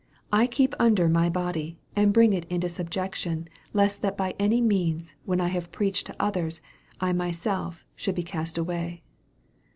193 " I keep under my body, and bring it into subjection, lest that by any means, when I have preached to others, I myself should be a cast away."